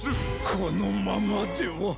このままでは。